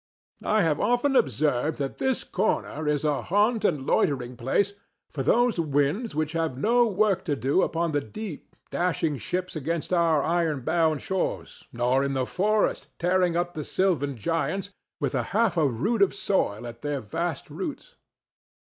I have often observed that this corner is a haunt and loitering place for those winds which have no work to do upon the deep dashing ships against our iron bound shores, nor in the forest tearing up the sylvan giants with half a rood of soil at their vast roots.